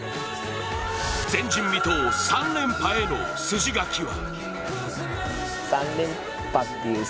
前人未到３連覇への筋書きは。